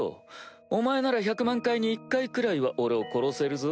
お前なら１００万回に１回くらいは俺を殺せるぞ？